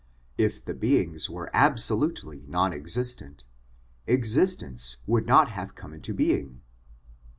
If the beings were absolutely non existent, existence would not have come into being.